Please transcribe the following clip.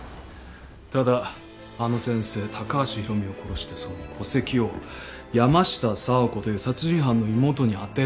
ただあの先生高橋博美を殺してその戸籍を山下佐和子という殺人犯の妹にあてがった。